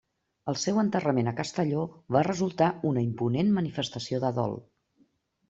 El seu enterrament a Castelló va resultar una imponent manifestació de dol.